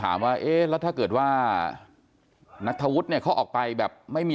ว่าเอ๊ะแล้วถ้าเกิดว่านัทธวุฒิเนี่ยเขาออกไปแบบไม่มี